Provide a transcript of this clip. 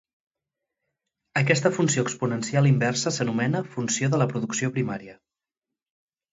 Aquesta funció exponencial inversa s'anomena Funció de la producció primària.